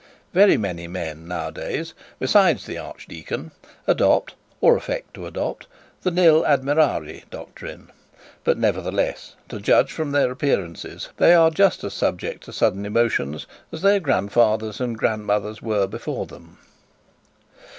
Very many men nowadays, besides the archdeacon, adopt or affect to adopt the nil admirari doctrine; but nevertheless, to judge from their appearance, they are just as subject to sudden emotions as their grandfathers and grandmothers were before them.